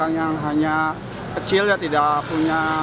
yang hanya kecil ya tidak punya